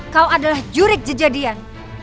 kau adalah jurik jejadian